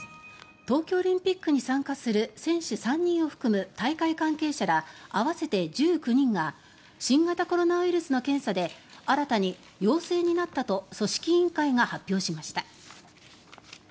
東京オリンピックに参加する選手３人を含む大会関係者ら合わせて１９人が新型コロナウイルスの検査で新たに陽性になったと組織委員会が発表しました。